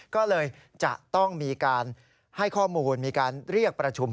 ก็เลยจะต้องมีการให้ข้อมูลมีการเรียกประชุม